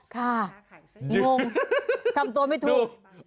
ค่ะงงทำตัวไม่ถูก